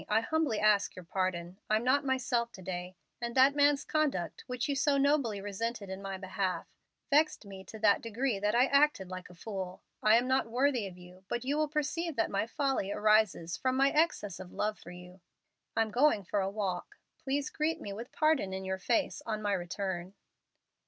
I humbly ask your pardon. I'm not myself to day, and that man's conduct, which you so nobly resented in my behalf, vexed me to that degree that I acted like a fool. I am not worthy of you, but you will perceive that my folly arises from my excess of love for you. I'm going for a walk. Please greet me with pardon in your face on my return."